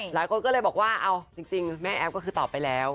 หลายคนก็เลยบอกว่าเอาจริงแม่แอฟก็คือตอบไปแล้ว